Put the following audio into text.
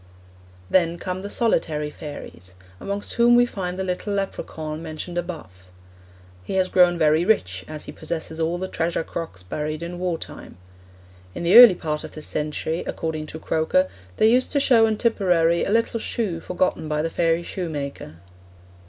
Then come The Solitary Fairies, amongst whom we find the little Lepracaun mentioned above. He has grown very rich, as he possesses all the treasure crocks buried in war time. In the early part of this century, according to Croker, they used to show in Tipperary a little shoe forgotten by the fairy shoemaker.